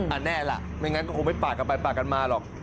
อ่ะแน่ล่ะไม่งั้นก็คงไม่ปากกันมาหรอก